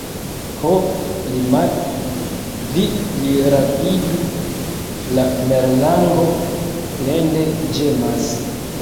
"Ho, Limak', vi plirapidu!" la merlango plende ĝemas.